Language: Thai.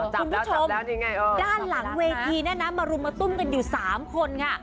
คุณผู้ชมด้านหลังเวทีเนี่ยนะมารุมมาตุ้มกันอยู่๓คนค่ะ